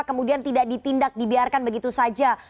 kemudian tidak ditindak dibiarkan begitu saja